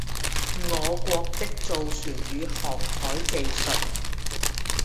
我國的造船與航海技術